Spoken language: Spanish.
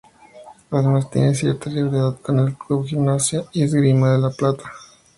Además tiene cierta rivalidad con el Club Gimnasia y Esgrima de La Plata.